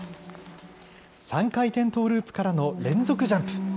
３回転トーループからの連続ジャンプ。